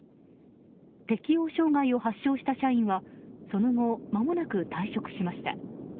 適応障害を発症した社員はその後、まもなく退職しました。